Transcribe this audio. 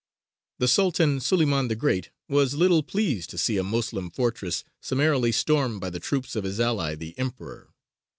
The Sultan, Suleymān the Great, was little pleased to see a Moslem fortress summarily stormed by the troops of his ally, the Emperor.